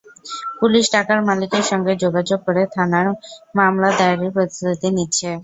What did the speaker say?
Police টাকার মালিকের সঙ্গে যোগাযোগ করে থানায় মামলা দায়েরের প্রস্তুতি নিচ্ছে।